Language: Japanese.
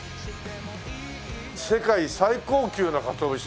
世界最高級のかつお節。